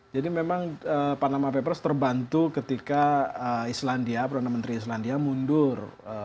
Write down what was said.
memang panama papers terbantu ketika islandia perdana menteri islandia mundur